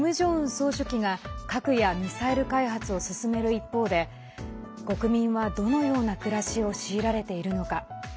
総書記が核やミサイル開発を進める一方で国民は、どのような暮らしを強いられているのか。